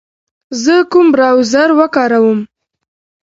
زه کوم براوزر و کاروم